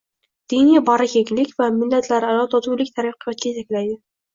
Diniy bag‘rikenglik va millatlararo totuvlik taraqqiyotga yetaklaydi